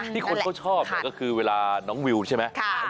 คนเขาชอบเนี่ยก็คือเวลาน้องวิวใช่ไหม